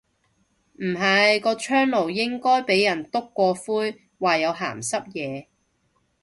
唔係，個窗爐應該俾人篤過灰話有鹹濕野。